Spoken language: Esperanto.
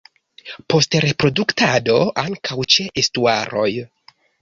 Post reproduktado ankaŭ ĉe estuaroj.